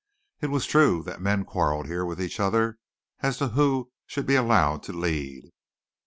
It was true that men quarreled here with each other as to who should be allowed to lead.